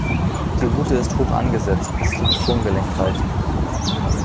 Die Rute ist hoch angesetzt, bis zum Sprunggelenk reichend.